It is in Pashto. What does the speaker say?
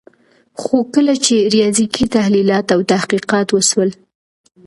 خو کله چي ریاضیکي تحلیلات او تحقیقات وسول